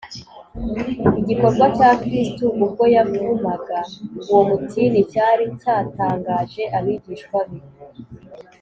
’ igikorwa cya kristo ubwo yavumaga uwo mutini cyari cyatangaje abigishwa be